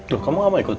loh kamu gak mau ikut